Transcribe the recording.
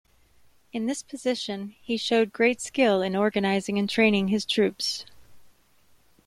In this position, he showed great skill in organizing and training his troops.